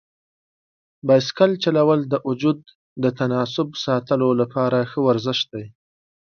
بایسکل چلول د وجود د تناسب ساتلو لپاره ښه ورزش دی.